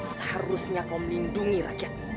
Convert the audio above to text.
seharusnya kau melindungi rakyatmu